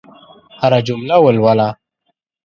هره جمله ولوله.